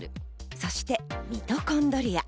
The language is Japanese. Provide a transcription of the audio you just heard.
そしてミトコンドリア。